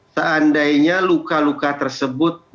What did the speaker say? seandainya luka luka tersebut dipenuhi luka